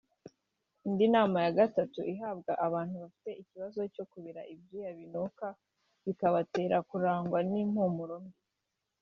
Indi nama ya gatatu ihabwa abantu bafite ikibazo cyo kubira ibyuya binuka bikabatera kurangwa n’impumuro mbi